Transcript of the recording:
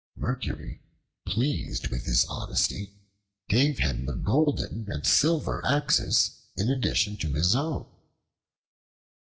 Mercury, pleased with his honesty, gave him the golden and silver axes in addition to his own.